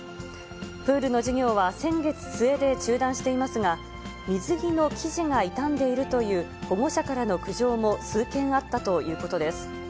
プールの授業は先月末で中断していますが、水着の生地が傷んでいるという保護者からの苦情も数件あったということです。